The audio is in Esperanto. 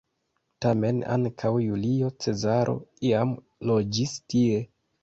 Tamen ankaŭ Julio Cezaro iam loĝis tie.